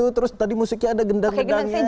terus tadi musiknya ada gendang gendangnya